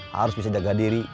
harus bisa jaga diri